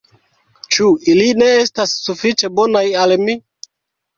Ĉu ili ne estas sufiĉe bonaj al mi?